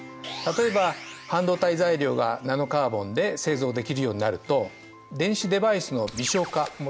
例えば半導体材料がナノカーボンで製造できるようになると電子デバイスの微小化